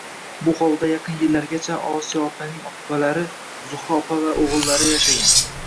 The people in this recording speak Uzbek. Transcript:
Bu hovlida yaqin yillargacha Osiyo opaning opalari Zuxra opa va o’g’illari